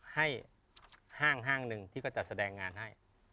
ห้าง๑ที่ก็จะแสดงงานให้